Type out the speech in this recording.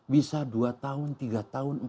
bisa dua tahun tiga tahun